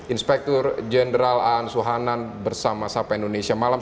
inspektur jenderal an suhanan bersama sapa indonesia malam